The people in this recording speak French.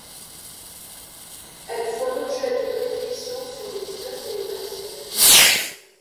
Elles font l’objet d’une réflexion sur les couleurs et les matières.